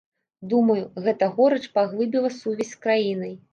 Думаю, гэта горыч паглыбіла сувязь з краінай.